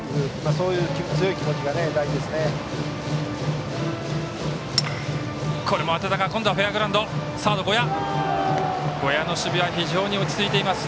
そういう強い気持ちが大事です。